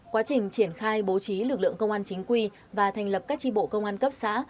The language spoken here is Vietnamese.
quá trình triển khai bố trí lực lượng công an chính quy và thành lập các tri bộ công an cấp xã